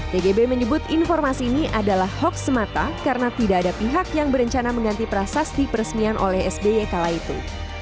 tgb menyebut informasi ini adalah hoax semata karena tidak ada pihak yang berencana mengganti prasasti peresmian oleh sby kala itu